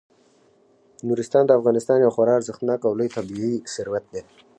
نورستان د افغانستان یو خورا ارزښتناک او لوی طبعي ثروت دی.